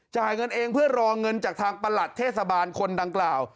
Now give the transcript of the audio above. จ่ายเงินเองเพื่อรอเงินจากทางประหลัดเทศบาลคนดังกล่าว